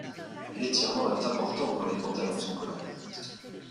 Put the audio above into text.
L'étirement est important quand les pantalons sont collants.